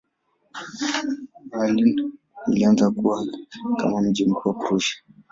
Berlin ilianza kukua kama mji mkuu wa Prussia.